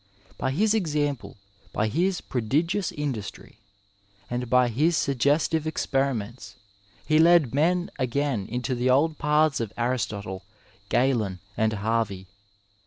By his example, by liis prodigious industry, and by his suggestive experiments he led men again into the old paths of Aristotie, Galen and Harvey.